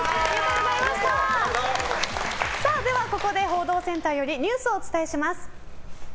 ここで報道センターよりニュースをお伝えします。